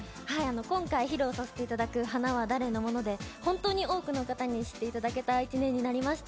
今回披露させていただく「花は誰のもの？」で本当に多くの方に知っていただけた１年になりました。